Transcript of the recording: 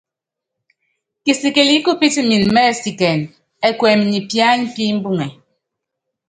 Kisikɛl ki kupítimɛn mɛ́ɛsikɛn ɛkuɛm nyɛ piany pi mbuŋɛ.